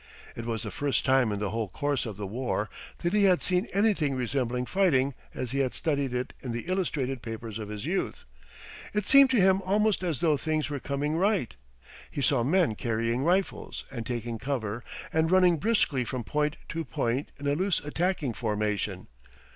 It was the first time in the whole course of the war that he had seen anything resembling fighting as he had studied it in the illustrated papers of his youth. It seemed to him almost as though things were coming right. He saw men carrying rifles and taking cover and running briskly from point to point in a loose attacking formation.